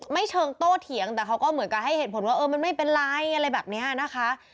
เชิงโต้เถียงแต่เขาก็เหมือนกับให้เหตุผลว่าเออมันไม่เป็นไรอะไรแบบนี้นะคะ